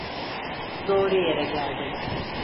Doğru yere geldin.